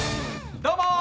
どうも！